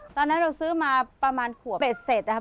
ตอนนั้นเราซื้อมาประมาณขวบเป็ดเสร็จนะครับ